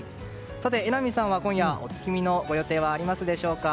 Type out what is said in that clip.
さて、榎並さんは今夜お月見のご予定はあるでしょうか。